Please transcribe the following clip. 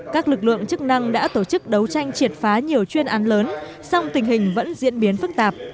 các lực lượng chức năng đã tổ chức đấu tranh triệt phá nhiều chuyên án lớn song tình hình vẫn diễn biến phức tạp